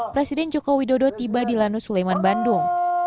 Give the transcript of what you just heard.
presiden jokowi dodo tiba di lanut sulaiman bandung